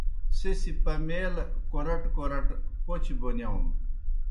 سہ سیْ پمیلہ کورٹہ کورٹہ پوْچہ بونِیاؤن۔